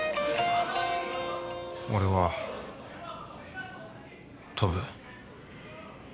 俺は跳ぶ。